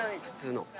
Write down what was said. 普通の。